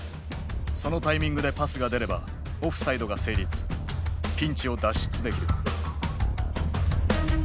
そのタイミングでパスが出ればオフサイドが成立ピンチを脱出できる。